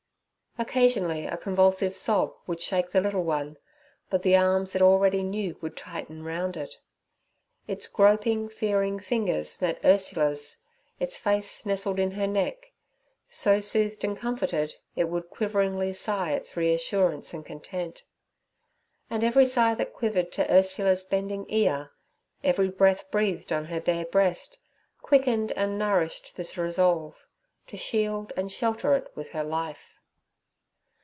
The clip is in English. Occasionally a convulsive sob would shake the little one, but the arms it already knew would tighten round it. Its groping, fearing fingers met Ursula's; its face nestled in her neck; so soothed and comforted, it would quiveringly sigh its reassurance and content. And every sigh that quivered to Ursula's bending ear, every breath breathed on her bared breast, quickened and nourished this resolve—to shield and shelter it with her life.